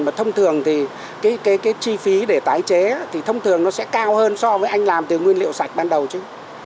mà thông thường thì cái chi phí để tái chế thì thông thường nó sẽ cao hơn so với anh làm từ nguyên liệu sạch ban đầu chứ